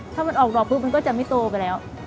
ถ้ามันออกดอกปุ๊บมันก็จะไม่โตไปแล้ว